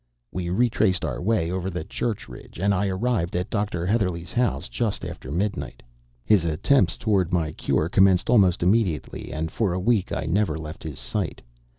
We retraced our way over the Church Ridge, and I arrived at Dr. Heatherlegh's house shortly after midnight. His attempts toward my cure commenced almost immediately, and for a week I never left his sight.